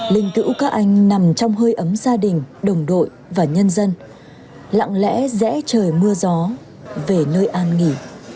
linh cữu các anh nằm trong hơi ấm gia đình đồng đội và nhân dân lặng lẽ rẽ trời mưa gió về nơi an nghỉ